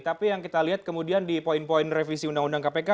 tapi yang kita lihat kemudian di poin poin revisi undang undang kpk